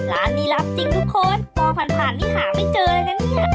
ร้านนี้ลับจริงทุกคนมองผ่านนี่หาไม่เจออะไรกันเนี่ย